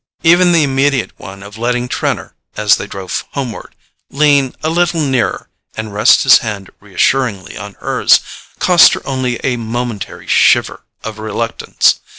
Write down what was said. Even the immediate one of letting Trenor, as they drove homeward, lean a little nearer and rest his hand reassuringly on hers, cost her only a momentary shiver of reluctance.